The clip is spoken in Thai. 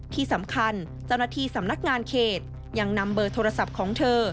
ที่สำคัญเจ้าหน้าที่สำนักงานเขตยังนำเบอร์โทรศัพท์ของเธอ